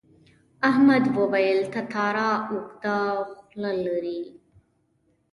احمد وویل تتارا اوږده خوله لري.